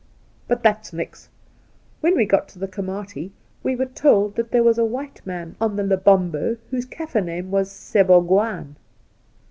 But that's nix 1 When we got to the Komati, we were told that there was a white man on the Lebombo whose Kaffir name was Sebougwaan.